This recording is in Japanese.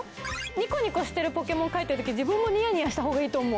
ニコニコしてるポケモン描いてるとき自分もニヤニヤしたほうがいいと思う。